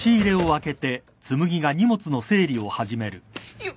よっ。